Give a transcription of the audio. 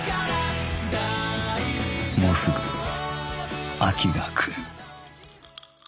もうすぐ秋が来る